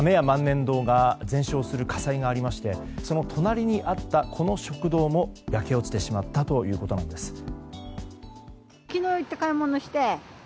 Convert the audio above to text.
万年堂が全焼する火災がありましてその隣にあったこの食堂も焼け落ちてしまったということなんです。